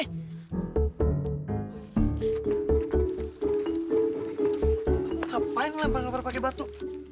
kamu ngapain lempar lempar pake batu